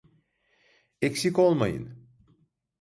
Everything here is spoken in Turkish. Eksik olmayın.